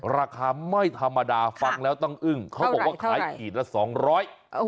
ราคาไม่ธรรมดาฟังแล้วต้องอึ้งเขาบอกว่าขายขีดละสองร้อย